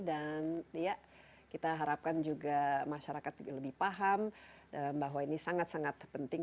dan ya kita harapkan juga masyarakat lebih paham bahwa ini sangat sangat penting